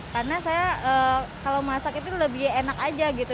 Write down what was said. karena saya kalau masak itu lebih enak aja gitu